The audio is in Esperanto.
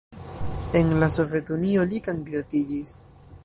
En la Sovetunio li kandidatiĝis.